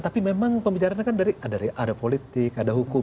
tapi memang pembicaraannya kan dari ada politik ada hukum